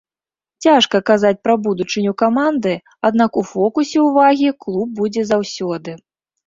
Цяжка казаць пра будучыню каманды, аднак у фокусе ўвагі клуб будзе заўсёды.